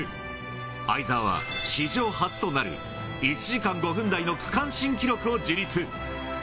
相澤は史上初となる１時間５分台の区間新記録を樹立。